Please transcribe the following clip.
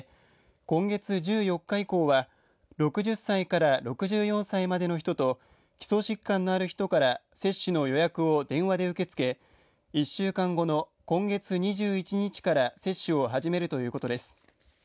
今月１４日以降は６０歳から６４歳までの人と基礎疾患のある人から接種の予約を電話で受け付け１週間後の今月２１日から接種を始めるということです。